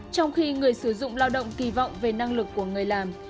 trong khi người sử dụng lao động kỳ vọng về năng lực của người làm